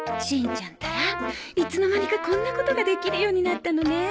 しんちゃんったらいつの間にかこんなことができるようになったのね